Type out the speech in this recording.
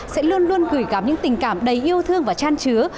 sẽ luôn luôn gửi gắm những tình cảm đầy yêu thương và tran trứa